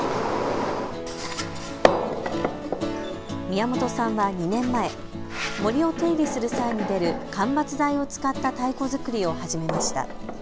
宮本さんは２年前、森を手入れする際に出る間伐材を使った太鼓作りを始めました。